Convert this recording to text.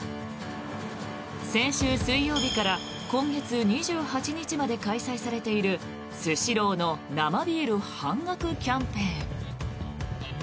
先週水曜日から今月２８日まで開催されているスシローの生ビール半額キャンペーン。